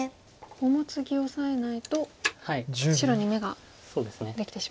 この次オサえないと白に眼ができてしまうと。